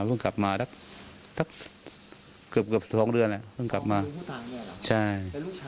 ลูกชายเขาอยู่ที่บ้าน